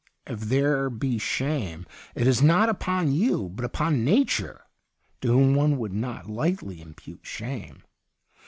If there be shame, it is not upon you but upon nature — to whom one would not lightly impute shame.